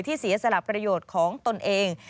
เสียสละประโยชน์ของตนเอง